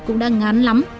cũng đang ngán lắm